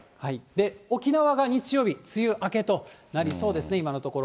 沖縄が日曜日、梅雨明けとなりそうですね、今のところ。